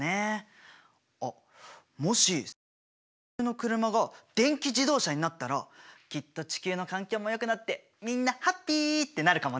あっもし世界中の車が電気自動車になったらきっと地球の環境もよくなってみんなハッピーってなるかもね！